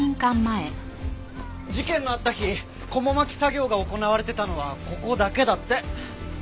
事件のあった日こも巻き作業が行われていたのはここだけだって。